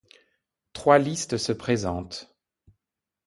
Trois listes se présentent.